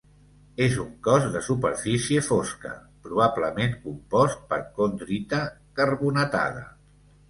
És un cos de superfície fosca, probablement compost per condrita carbonatada.